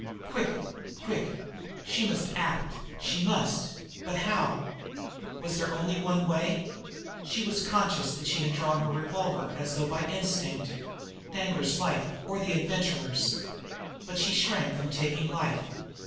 Quick! Quick! She must act! She must! But how? Was there only one way? She was conscious that she had drawn her revolver as though by instinct. Danglar's life, or the Adventurer's! But she shrank from taking life.